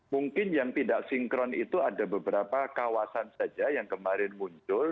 mungkin yang tidak sinkron itu ada beberapa kawasan saja yang kemarin muncul